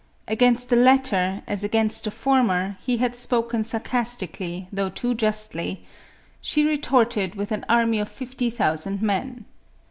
Against the latter, as against the former, he had spoken sarcastically, though too justly; "she retorted with an army of fifty thousand men."